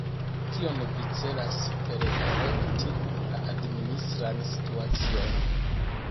Kion vi celas per ”korekti la administran situacion”?